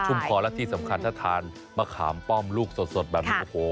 คอและที่สำคัญถ้าทานมะขามป้อมลูกสดแบบนี้โอ้โห